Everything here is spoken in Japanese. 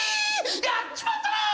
やっちまったなあ！